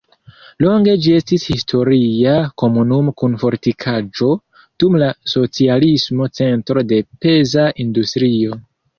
Longe ĝi estis historia komunumo kun fortikaĵo, dum la socialismo centro de peza industrio.